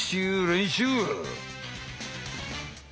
練習！